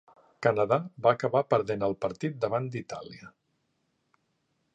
Canadà va acabar perdent el partit davant d'Itàlia.